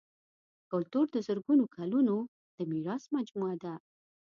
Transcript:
کلتور د زرګونو کلونو د میراث مجموعه ده.